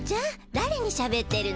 だれにしゃべってるの？